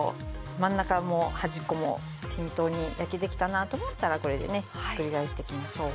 真ん中も端っこも均等に焼けてきたなと思ったらこれでねひっくり返していきましょう。